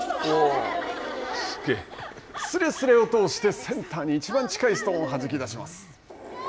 すれすれを通してセンターに一番近いストーンをはじき出します。